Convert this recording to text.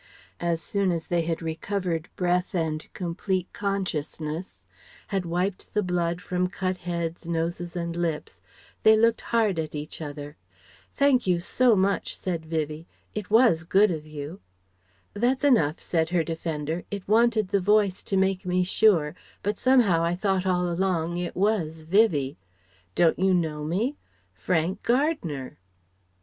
As soon as they had recovered breath and complete consciousness, had wiped the blood from cut heads, noses, and lips, they looked hard at each other. "Thank you so much," said Vivie, "it was good of you." "That's enough," said her defender, "it wanted the voice to make me sure; but somehow I thought all along it was Vivie. Don't you know me? Frank Gardner!"